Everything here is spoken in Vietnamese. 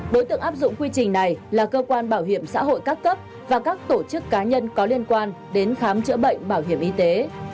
đối tượng áp dụng quy trình này là cơ quan bảo hiểm xã hội các cấp và các tổ chức cá nhân có liên quan đến khám chữa bệnh bảo hiểm y tế